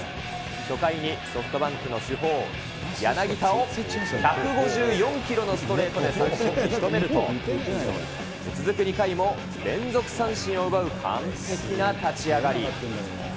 初回にソフトバンクの主砲、柳田を１５４キロのストレートで三振にしとめると、続く２回も連続三振を奪う完璧な立ち上がり。